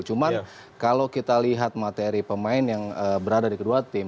cuman kalau kita lihat materi pemain yang berada di kedua tim